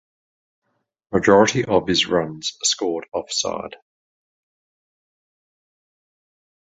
Majority of his runs are scored off side.